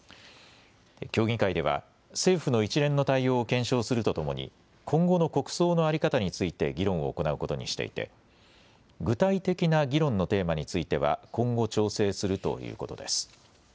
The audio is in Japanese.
協議会では政府の一連の対応を検証するとともに今後の国葬の在り方について議論を行うことにしていて具体的な議論のテーマについては今後、調整するということです。